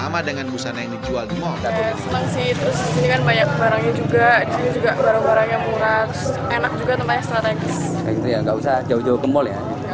sama dengan busana yang dijual di mall